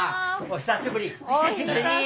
お久しぶりです！